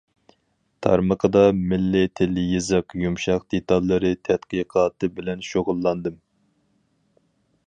تارمىقىدا مىللىي تىل-يېزىق يۇمشاق دېتاللىرى تەتقىقاتى بىلەن شۇغۇللاندىم.